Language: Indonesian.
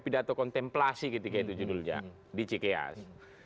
jatuh kontemplasi ketika itu judulnya di ckas